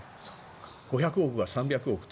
５００億が３００億って。